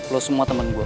lo semua temen gue